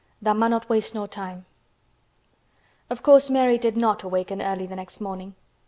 "THA' MUNNOT WASTE NO TIME" Of course Mary did not waken early the next morning.